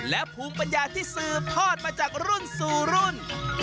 และภูมิปัญญาที่สืบทอดมาจากรุ่นสู่รุ่น